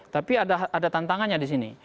tapi ada tantangannya di sini